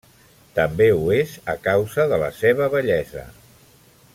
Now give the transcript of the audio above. També ho és a causa de la seva bellesa.